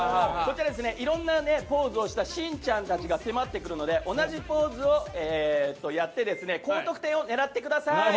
いろんなポーズをしたしんちゃんたちが迫ってくるので同じポーズをやって高得点を狙ってください。